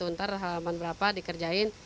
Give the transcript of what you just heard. ntar halaman berapa dikerjain